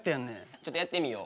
ちょっとやってみよう。